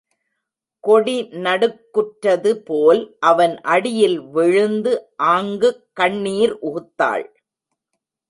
கொடி நடுக்குற்றது போல் அவன் அடியில் விழுந்து ஆங்குக் கண்ணீர் உகுத்தாள்.